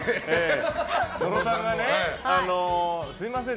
野呂さんがすみません